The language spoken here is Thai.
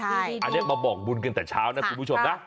อันนี้มาบอกบุญกันแต่เช้านะคุณผู้ชมนะ